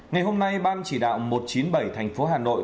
ngày hôm nay ban chỉ đạo một trăm chín mươi bảy thành phố hà nội